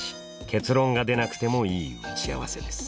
結論が出なくてもいい打ち合わせです。